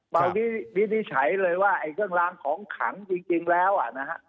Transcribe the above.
บางวิธีใช้เลยว่าเครื่องล้างของขังจริงแล้วนะฮะ